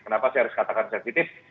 kenapa saya harus katakan sensitif